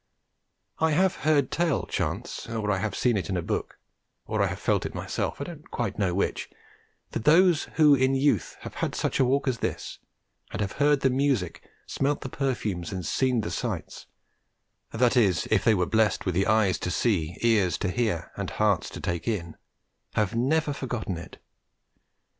I have heard tell, Chance, or I have seen it in a book, or I have felt it myself, I don't quite know which, that those who in youth have had such a walk as this, and have heard the music, smelt the perfumes and seen the sights (that is if they were blessed with eyes to see, ears to hear, and hearts to take in), have never forgotten it.